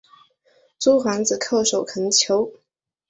诸皇子叩首恳求。